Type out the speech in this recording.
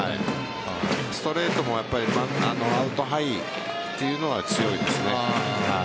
ストレートのアウトハイというのは強いですね。